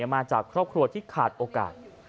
มาจากครอบครัวที่ขาดโอกาส